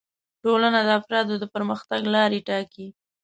ټولنه د افرادو د پرمختګ لارې ټاکي